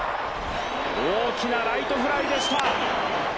大きなライトフライでした。